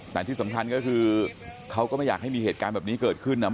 แต่ที่สำคัญก็คือเขาก็ไม่อยากให้มีเหตุการณ์แบบนี้เกิดขึ้นนะ